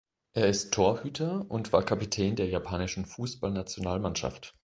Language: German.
Er ist Torhüter und war Kapitän der japanischen Fußballnationalmannschaft.